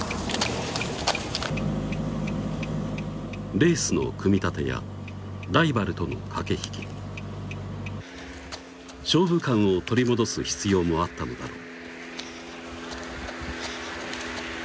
レースの組み立てやライバルとの駆け引き勝負勘を取り戻す必要もあったのだろう